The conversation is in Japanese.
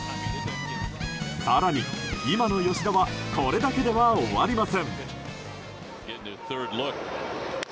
更に、今の吉田はこれだけでは終わりません。